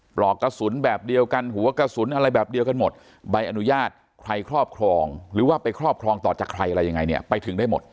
ปลอกกระสุนแบบเดียวกันหัวกระสุนอะไรแบบเดียวกันหมดใบอนุญาตใครครอบครองหรือว่าไปครอบครองต่อจากใครอะไรยังไงเนี่ยไปถึงได้หมด